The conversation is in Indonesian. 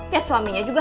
ya suaminya juga